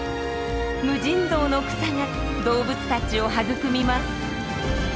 無尽蔵の草が動物たちを育みます。